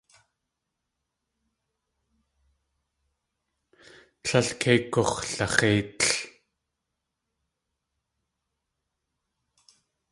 Tlél kei gux̲lax̲éitl.